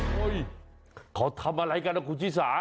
เห้ยเขาทำอะไรกันนะครูชิสา